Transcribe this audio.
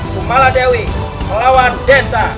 kumala dewi melawan desta